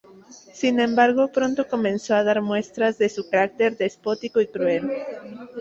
Sin embargo, pronto comenzó a dar muestras de su carácter despótico y cruel.